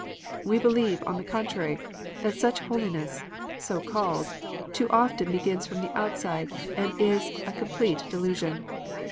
We believe, on the contrary, that such holiness (so called) too often begins from the outside, and is a complete delusion.